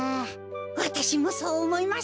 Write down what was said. わたしもそうおもいます。